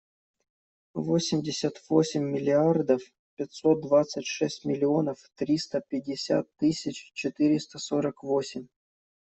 Восемьдесят восемь миллиардов пятьсот двадцать шесть миллионов триста пятьдесят тысяч четыреста сорок восемь.